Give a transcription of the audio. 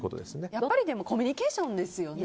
やっぱりコミュニケーションですよね。